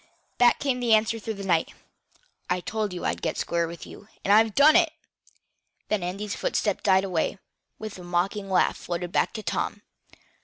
Back came the answer through the night: "I told you I'd get square with you, and I've done it," and then Andy's footsteps died away, while a mocking laugh floated back to Tom.